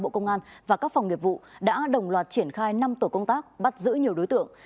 bộ công an và các phòng nghiệp vụ đã đồng loạt triển khai năm tổ công tác bắt giữ nhiều đối tượng